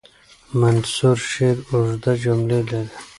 منثور شعر اوږده جملې لري.